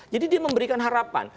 jadi dia memberikan harapan